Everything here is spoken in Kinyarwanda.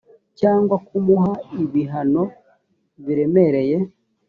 cyangwa kumuha ibihano biremereye